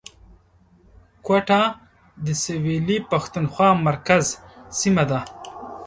کوټه د سویلي پښتونخوا مرکز سیمه ده